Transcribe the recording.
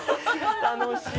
楽しい。